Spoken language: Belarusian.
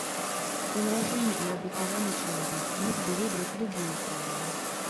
Ён разумны і адукаваны чалавек і мог бы выбраць любую краіну.